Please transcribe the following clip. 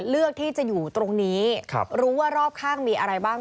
เลือกที่จะอยู่ตรงนี้รู้ว่ารอบข้างมีอะไรบ้าง